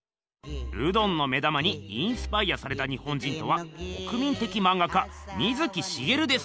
ルドンの目玉にインスパイアされた日本人とは国民的まんが家水木しげるです。